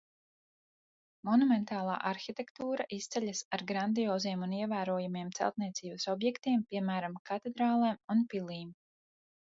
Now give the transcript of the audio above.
Monumentālā arhitektūra izceļas ar grandioziem un ievērojamiem celtniecības objektiem, piemēram, katedrālēm un pilīm.